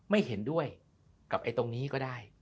ไม่เห็นด้วยกับตรงนี้ก็ได้